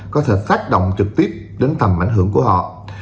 có thể tác động trực tiếp đến tầm ảnh hưởng của họ